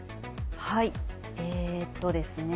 はいえとですね